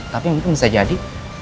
tapi mungkin bisa jadi